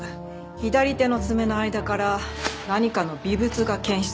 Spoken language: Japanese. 左手の爪の間から何かの微物が検出されました。